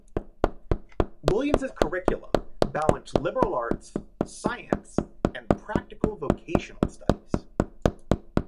Williams' curriculum balanced liberal arts, science and practical vocational studies.